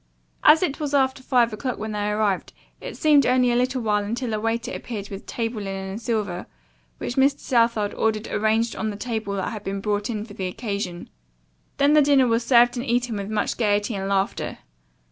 As it was after five o'clock when they arrived it seemed only a little while until a waiter appeared with table linen and silver, which Mr. Southard ordered arranged on the table that had been brought in for the occasion. Then the dinner was served and eaten with much gayety and laughter.